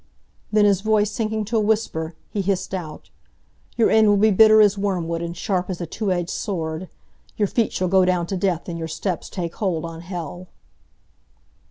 Then, his voice sinking to a whisper, he hissed out "Your end will be bitter as wormwood and sharp as a two edged sword. Your feet shall go down to death, and your steps take hold on hell."